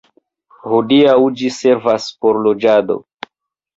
Hodiaŭ ĝi servas por loĝado.